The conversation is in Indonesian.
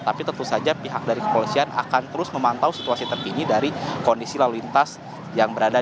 tapi tentu saja pihak dari kepolisian akan terus memantau situasi terkini dari kondisi lalu lintas yang berada